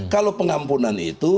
kalau pengampunan itu